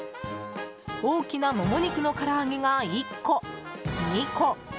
大きな、もも肉のから揚げが１個、２個。